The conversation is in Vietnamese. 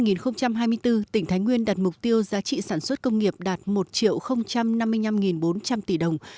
năm hai nghìn hai mươi bốn tỉnh thái nguyên đặt mục tiêu giá trị sản xuất công nghiệp đạt một năm mươi năm bốn trăm linh tỷ đồng